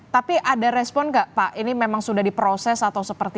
tapi ada respon nggak pak ini memang sudah diproses atau seperti